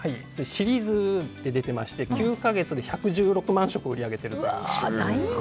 シリーズで出ていまして９か月で１１６万食売り上げています。